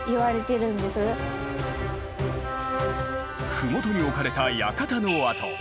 麓に置かれた館の跡。